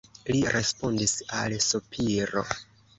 Li respondis al sopiro.